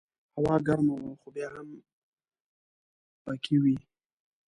هوا ګرمه وه خو بیا هم پکې وې.